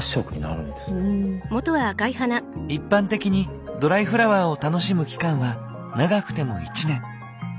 一般的にドライフラワーを楽しむ期間は長くても１年。